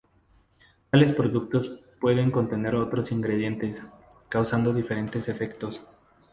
Tales productos pueden contener otros ingredientes, causando diferentes efectos.